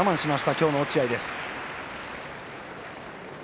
今日の落合です。